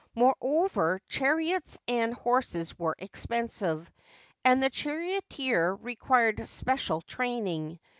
Moreover, chariots and horses were expensive, and the charioteer required special training.